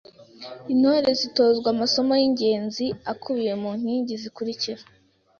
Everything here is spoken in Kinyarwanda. Intore zitozwa amasomo y’ingenzi akubiye mu nkingi zikurikira: